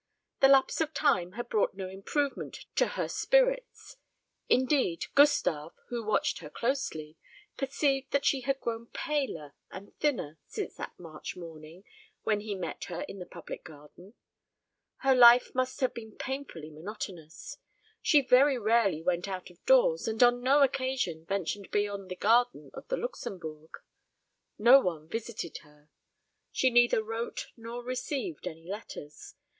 The lapse of time had brought no improvement to her spirits; indeed, Gustave, who watched her closely, perceived that she had grown paler and thinner since that March morning when he met her in the public garden. Her life must have been painfully monotonous. She very rarely went out of doors, and on no occasion ventured beyond the gardens of the Luxembourg. No one visited her. She neither wrote nor received any letters.